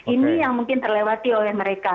ini yang mungkin terlewati oleh mereka